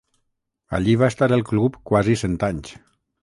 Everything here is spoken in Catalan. Allí va estar el Club quasi cent anys.